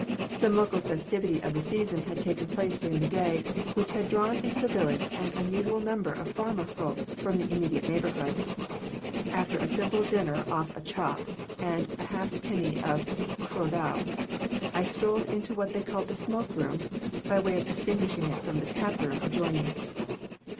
Some local festivity of the season had taken place during the day, which had drawn into the village an unusual number of farmer folk from the immediate neighbourhood. After a simple dinner off a chop and a half pint of cwrw da, I strolled into what they called the smoke room, by way of distinguishing it from the tap room adjoining.